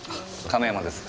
亀山です。